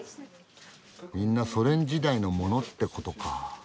みんなソ連時代のものってことか。